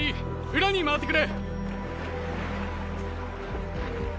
裏に回ってくれ。